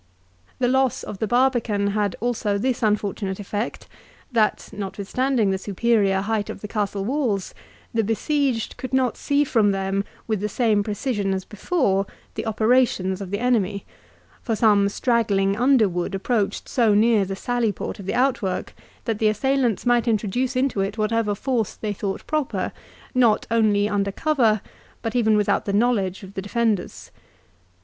The loss of the barbican had also this unfortunate effect, that, notwithstanding the superior height of the castle walls, the besieged could not see from them, with the same precision as before, the operations of the enemy; for some straggling underwood approached so near the sallyport of the outwork, that the assailants might introduce into it whatever force they thought proper, not only under cover, but even without the knowledge of the defenders.